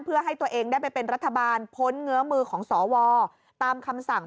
เพื่อให้ตัวเองได้ไปเป็นรัฐบาลพ้นเงื้อมือของสวตามคำสั่ง